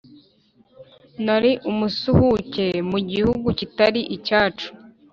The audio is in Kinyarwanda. Nari umusuhuke mu gihugu kitari icyacu